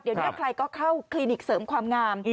เดี๋ยวนี้ใครก็เข้าคลินิกเสริมความงาม